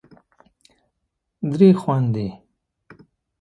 درې خوندې